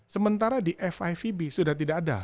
sementara di fivb sudah tidak ada